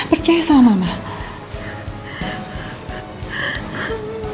baca cerita nya si taherar